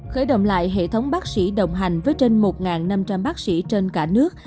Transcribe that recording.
khởi động lại hệ thống bác sĩ đồng hành với trên một năm trăm linh bác sĩ trên cả nước